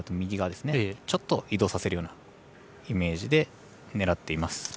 ちょっと移動させるようなイメージで狙っています。